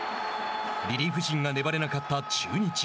リリーフ陣が粘れなかった中日。